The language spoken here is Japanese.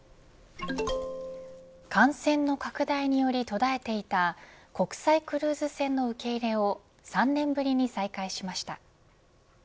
感染の拡大により途絶えていた国際クルーズ船の受け入れを３年ぶりに再開しました。